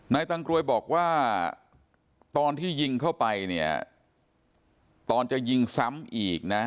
ตังกรวยบอกว่าตอนที่ยิงเข้าไปเนี่ยตอนจะยิงซ้ำอีกนะ